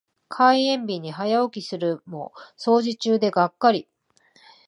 開園日に早起きするも清掃中でがっかり。